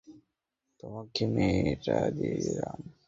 তোমাকে মেয়েটা দিয়ে দিলাম।